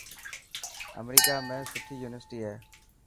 امريڪا ۾ سٺي يونيورسٽي هي.